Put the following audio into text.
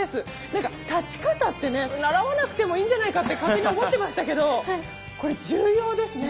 何か立ち方ってね習わなくてもいいんじゃないかって勝手に思ってましたけどこれ重要ですね。